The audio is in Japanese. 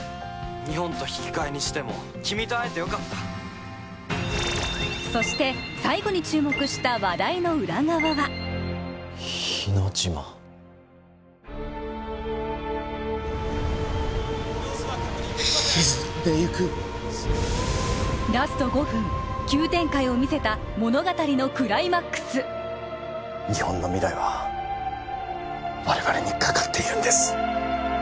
日本と引き換えにしても君と会えてよかったそして最後に注目した話題の裏側は日之島沈んでゆくラスト５分急展開を見せた物語のクライマックス日本の未来は我々にかかっているんです